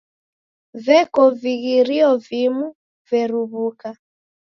Veko vighirio vimu veruw'uka.